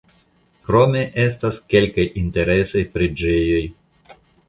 Krome estas kelkaj interesaj preĝejoj.